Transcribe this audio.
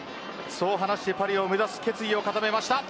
そう話してパリを目指す決意を固めました。